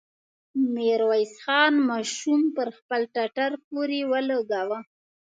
ميرويس خان ماشوم پر خپل ټټر پورې ولګاوه.